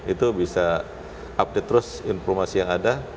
itu bisa update terus informasi yang ada